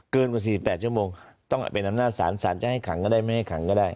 เกินกว่า๔๘ชั่วโมงต้องไปนำหน้าสารสารจะให้ขังก็ได้ไม่ให้ขังก็ได้